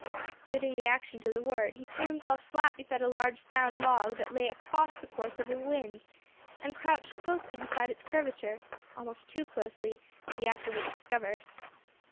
Suiting the action to the word, he threw himself flat beside a large sound log that lay across the course of the wind, and crouched closely beside its curvature; almost too closely, as he afterwards discovered.